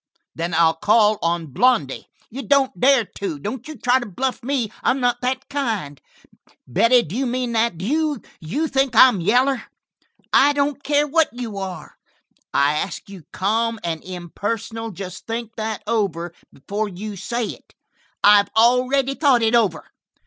"Then I'll call on Blondy." "You don't dare to. Don't you try to bluff me. I'm not that kind." "Betty, d'you mean that? D'you think that I'm yaller?" "I don't care what you are." "I ask you calm and impersonal, just think that over before you say it." "I've already thought it over."